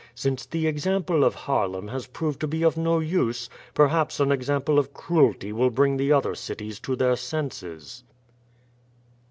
Since the example of Haarlem has proved to be of no use, perhaps an example of cruelty will bring the other cities to their senses."